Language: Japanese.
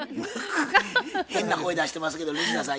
変な声出してますけども西田さん